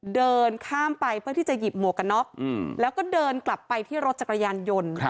เดินข้ามไปเพื่อที่จะหยิบหมวกกันน็อกแล้วก็เดินกลับไปที่รถจักรยานยนต์